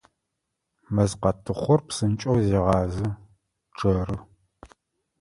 Мэзкъатыхъур псынкӏэу зегъазэ, чъэры.